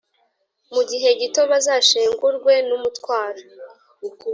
mu gihe gito bazashengurwe n’umutwaro